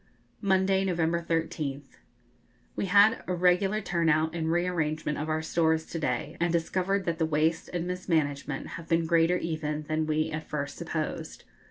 Monday, November 13th. We had a regular turn out and re arrangement of our stores to day, and discovered that the waste and mismanagement have been greater even than we at first supposed.